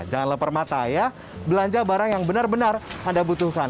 jangan leper mata ya belanja barang yang benar benar anda butuhkan